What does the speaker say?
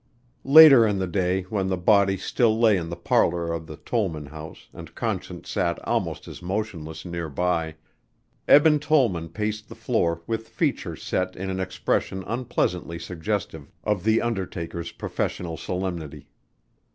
Later in the day when the body still lay in the parlor of the Tollman house and Conscience sat almost as motionless near by, Eben Tollman paced the floor with features set in an expression unpleasantly suggestive of the undertaker's professional solemnity.